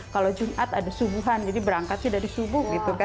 kalau jumat ada subuhan jadi berangkat sih dari subuh gitu kan